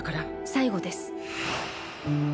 最後です。